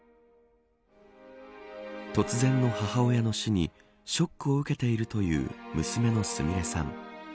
突然の母親の死にショックを受けているという娘のすみれさん。